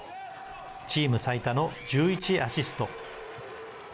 チーム最多の１１アシスト。